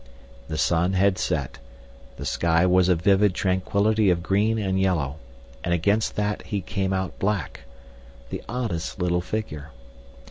The sun had set, the sky was a vivid tranquillity of green and yellow, and against that he came out black—the oddest little figure.